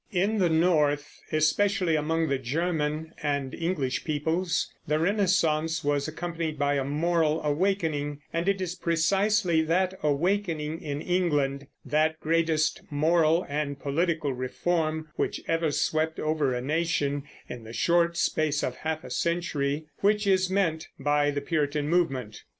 In the North, especially among the German and English peoples, the Renaissance was accompanied by a moral awakening, and it is precisely that awakening in England, "that greatest moral and political reform which ever swept over a nation in the short space of half a century," which is meant by the Puritan movement.